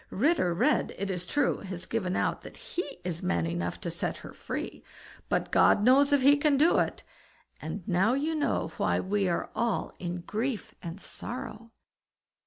Ritter Red, it is true, has given out that he is man enough to set her free, but God knows if he can do it; and now you know why we are all in grief and sorrow."